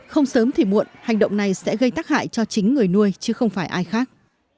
không sớm thì muộn hành động này sẽ gây tác hại cho chính người nuôi chứ không phải ai khác